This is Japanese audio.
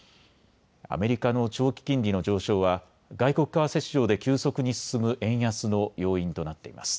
アメリカの長期金利の上昇は外国為替市場で急速に進む円安の要因となっています。